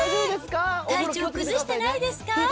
体調崩してないですか？